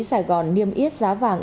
sài gòn niêm yết giá vàng